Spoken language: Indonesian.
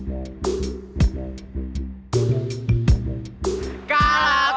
jangan pake cut